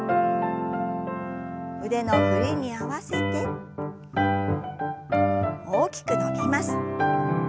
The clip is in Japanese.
腕の振りに合わせて大きく伸びます。